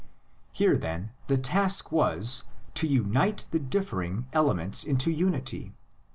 Here then the task was, to unite the differ ing elements into unity.